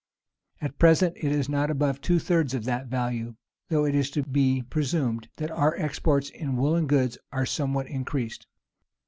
[] At present, it is not above two thirds of that value; though it is lo be presumed that our exports in woollen goods are somewhat increased.